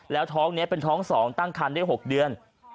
แล้วท้องนี้เป็นท้อง๒ตั้งคันได้๖เดือน